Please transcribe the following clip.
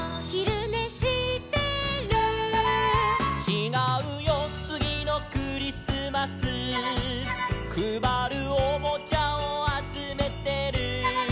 「ちがうよつぎのクリスマス」「くばるおもちゃをあつめてる」